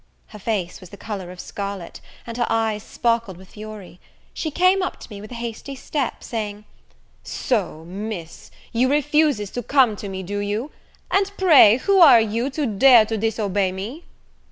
Her face was the colour of scarlet, and her eyes sparkled with fury. She came up to me with a hasty step, saying, "So, Miss, you refuses to come to me, do you? And pray who are you, to dare to disobey me?"